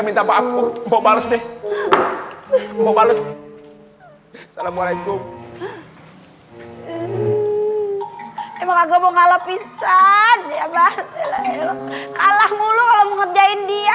mau bales deh mau bales assalamualaikum emang aku mau kalah pisah kalah mulu mau ngerjain dia